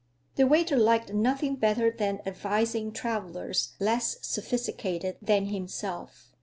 The waiter liked nothing better than advising travelers less sophisticated than himself.